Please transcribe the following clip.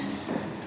mas aku mau pergi